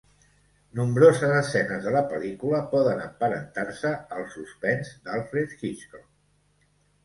Nombroses escenes de la pel·lícula poden emparentar-se al suspens d'Alfred Hitchcock.